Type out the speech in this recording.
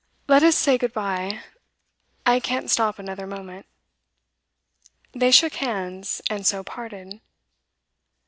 Let us say good bye; I can't stop another moment.' They shook hands and so parted.